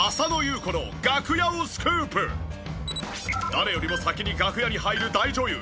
誰よりも先に楽屋に入る大女優。